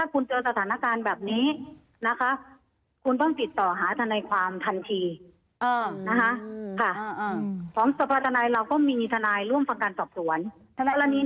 วิธีฐาน์การตอบตรวน่ะนะครับ